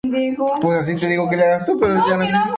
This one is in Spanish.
Algunos incluso para los propios cubanos.